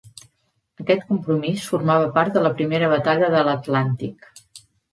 Aquest compromís formava part de la primera batalla de l'Atlàntic.